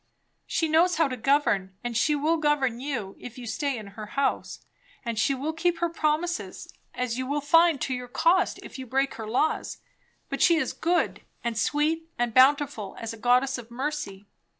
She knows how to govern, and she will govern you, if you stay in her house; and she will keep her promises, as you will find to your cost if you break her laws; but she is good, and sweet, and bountiful, as a goddess of mercy.